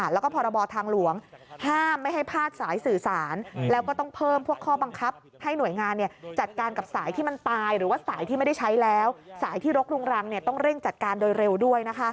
แล้วแพลวคลุงรังเนี่ยต้องเร่งจัดการโดยเร็วน่ะค่ะ